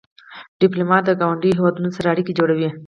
ډيپلومات د ګاونډیو هېوادونو سره اړیکې جوړوي.